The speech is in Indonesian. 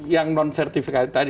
yang non certified tadi